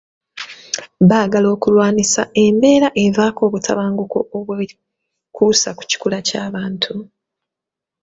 Baagala okulwanyisa embeera evaako obutabanguko obwekuusa ku kikula ky’abantu.